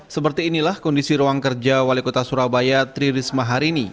seperti inilah kondisi ruang kerja wali kota surabaya tri risma hari ini